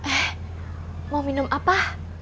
eh mau minum apa